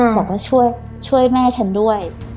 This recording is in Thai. บอกว่าช่วยแม่ฉันด้วย